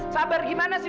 sabar gimana sih